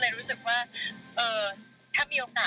เราได้เจอแล้วพอดีเขาจะออกมาจะทำยังไง